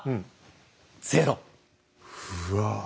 うわ。